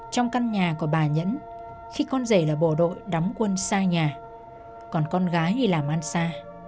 trong căn nhà của bà nhẫn khi con rể là bộ đội đóng quân xa nhà còn con gái đi làm ăn xa